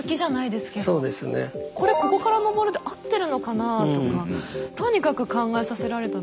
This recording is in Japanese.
これここから登るで合ってるのかなあとかとにかく考えさせられた。